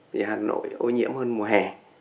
vì hà nội ô nhiễm hơn mùa hè